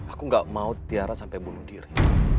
aku gak mau tiara sampai bunuh diri